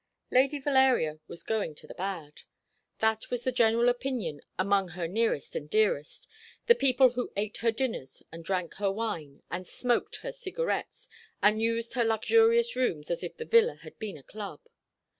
Lady Valeria was going to the bad. That was the general opinion among her nearest and dearest the people who ate her dinners and drank her wine, and smoked her cigarettes, and used her luxurious rooms as if the villa had been a club.